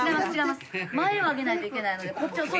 ・前を上げないといけないのでこっちを。